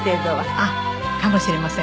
あっかもしれません。